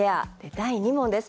第２問です。